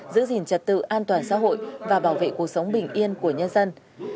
giữ gìn trật tự an toàn xã hội và bảo vệ cuộc sống bình yên của nhân dân